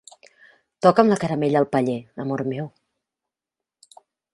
Toca'm la caramella al paller, amor meu.